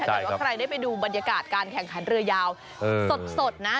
ถ้าเกิดว่าใครได้ไปดูบรรยากาศการแข่งขันเรือยาวสดนะ